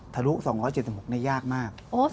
ทะลุ๒๗๖ยากมาก